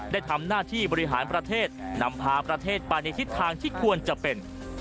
ได้ทำหน้าที่บริหารประเทศนำพาประเทศไปในทิศทางที่ควรจะเป็น